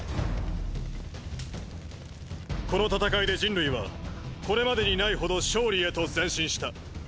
この戦いで人類はこれまでにないほど勝利へと前進した。